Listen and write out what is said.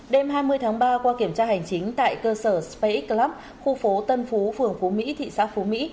đêm hai mươi tháng ba qua kiểm tra hành chính tại cơ sở spacex club khu phố tân phú phường phú mỹ thị xã phú mỹ